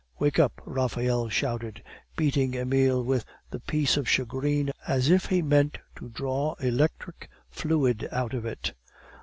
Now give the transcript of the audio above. "Wake up!" Raphael shouted, beating Emile with the piece of shagreen as if he meant to draw electric fluid out of it.